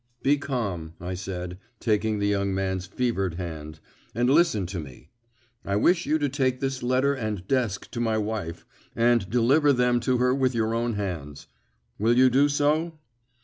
"Be calm," I said, taking the young man's fevered hand, "and listen to me. I wish you to take this letter and desk to my wife, and deliver them to her with your own hands. Will you do so?"